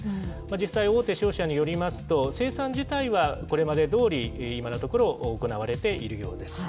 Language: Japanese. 実際、大手商社によりますと、生産自体はこれまでどおり、今のところ、行われているようです。